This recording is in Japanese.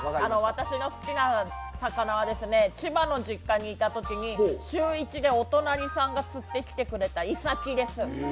私の好きな魚は、千葉の実家にいたときに週１でお隣さんが釣ってきてくれたイサキです。